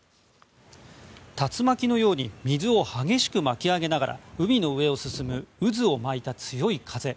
竜巻のように水を激しく巻き上げながら海の上を進む渦を巻いた強い風。